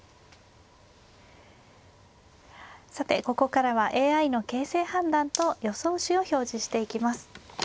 さてここからはＡＩの形勢判断と予想手を表示していきます。